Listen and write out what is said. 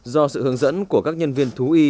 do sự hướng dẫn của các nhân viên thú y